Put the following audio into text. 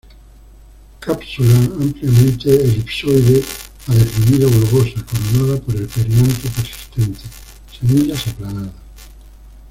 Cápsula ampliamente elipsoide a deprimido-globosa, coronada por el perianto persistente; semillas aplanadas.